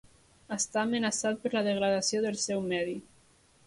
Està amenaçat per la degradació del seu medi.